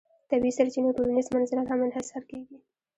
طبیعي سرچینې او ټولنیز منزلت هم انحصار کیږي.